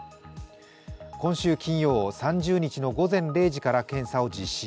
今週金曜、３０日の午前０時から検査を実施。